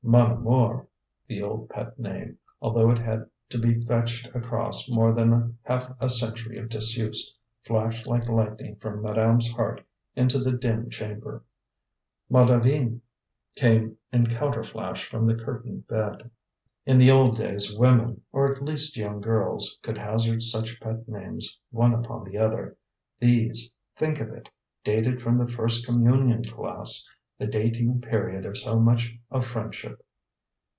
"Mon Amour!" The old pet name, although it had to be fetched across more than half a century of disuse, flashed like lightning from madame's heart into the dim chamber. "Ma Divine!" came in counter flash from the curtained bed. In the old days women, or at least young girls, could hazard such pet names one upon the other. These think of it! dated from the first communion class, the dating period of so much of friendship.